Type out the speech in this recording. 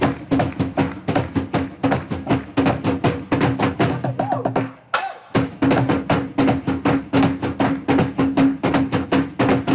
โชว์จากปริศนามหาสนุกหมายเลขหนึ่ง